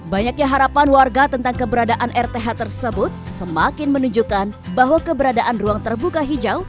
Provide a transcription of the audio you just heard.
banyaknya harapan warga tentang keberadaan rth tersebut semakin menunjukkan bahwa keberadaan ruang terbuka hijau